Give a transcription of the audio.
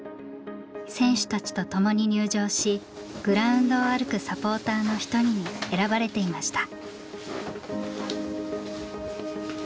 選手たちと共に入場しグラウンドを歩くサポーターのひとりに選ばれていました。